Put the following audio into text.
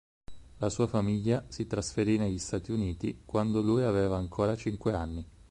La sua famiglia si trasferì negli Stati Uniti quando lui aveva ancora cinque anni.